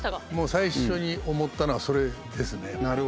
最初に思ったのはそれですね。